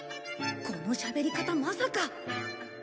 このしゃべり方まさか！